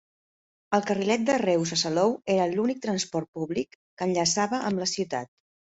El Carrilet de Reus a Salou era l'únic transport públic que l'enllaçava amb la ciutat.